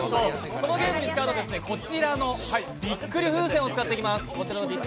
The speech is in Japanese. このゲームに使うのはこちらのびっくり風船を使っていきます。